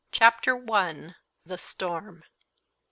CHAPTER I. THE STORM.